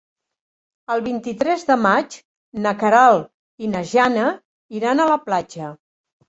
El vint-i-tres de maig na Queralt i na Jana iran a la platja.